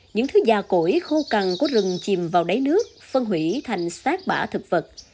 những thứ già cổi khô cằn của rừng chìm vào đáy nước phân hủy thành xác bã thực vật